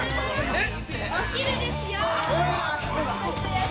えっ！？